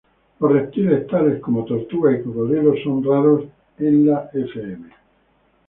Los reptiles tales como tortugas y cocodrilos son raros en la "Fm.